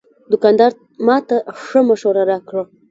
دوکاندار ماته ښه مشوره راکړه.